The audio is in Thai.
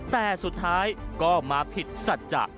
แต่สุดท้ายก็มาผิดสัจจะ